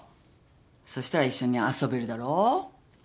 そしたら一緒に遊べるだろ。